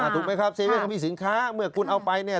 ถูกไหมครับ๗๑๑ก็มีสินค้าเมื่อกูเอาไป